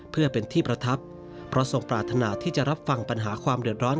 เพื่อเป็นที่ประทับเพราะทรงปรารถนาที่จะรับฟังปัญหาความเดือดร้อน